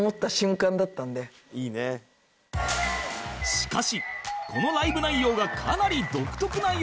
しかしこのライブ内容がかなり独特なようで